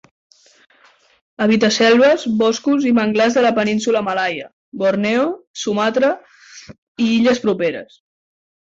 Habita selves, boscos i manglars de la Península Malaia, Borneo, Sumatra i illes properes.